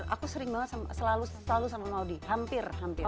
aku sering banget selalu sama maudie hampir hampir